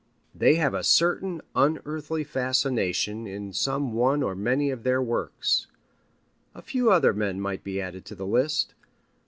They have a certain unearthly fascination in some one or many of their works. A few other men might be added to the list.